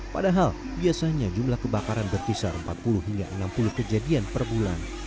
padahal biasanya jumlah kebakaran berkisar empat puluh hingga enam puluh kejadian per bulan